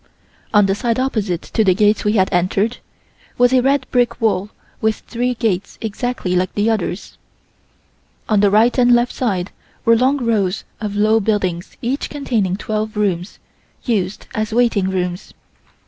On the side opposite to the gates we had entered was a red brick wall with three gates exactly like the others; on the right and left side were long rows of low buildings each containing twelve rooms, used as waiting rooms.